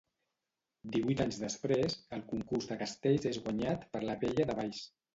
Divuit anys després, el Concurs de Castells és guanyat per la Vella de Valls.